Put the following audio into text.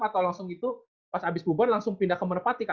atau langsung itu pas habis bubur langsung pindah ke merpatika